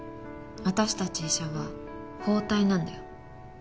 私たち医者は包帯なんだよ。